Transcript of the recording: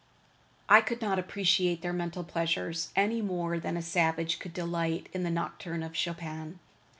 I could not appreciate their mental pleasures, any more than a savage could delight in a nocturne of Chopin.